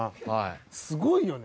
すごいよね。